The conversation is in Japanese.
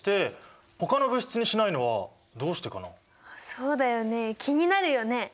そうだよね気になるよね。